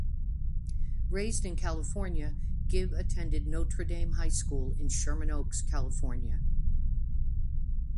Raised in California, Gibb attended Notre Dame High School in Sherman Oaks, California.